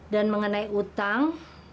dan mengenai utang